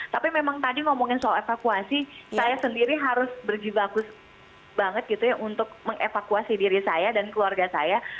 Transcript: tapi memang tadi ngomongin soal evakuasi saya sendiri harus berjibakus banget gitu ya untuk mengevakuasi diri saya dan keluarga saya